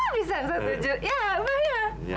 bisa satu ju ya ya